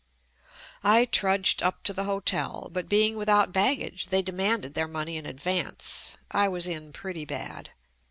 I trudged up to the hotel, but being with out baggage they demanded their money in ad vance. I was in pretty bad.